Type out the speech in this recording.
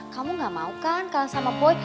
kamu gak mau kan kalau sama boy